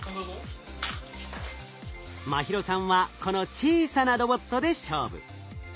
茉尋さんはこの小さなロボットで勝負。